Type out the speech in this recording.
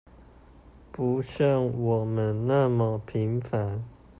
不像我們那麼平凡